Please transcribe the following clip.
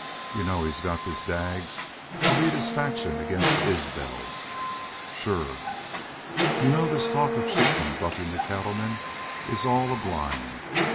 "You know he's got this Daggs to lead his faction against the Isbels?" "Shore." "You know this talk of sheepmen buckin' the cattlemen is all a blind?"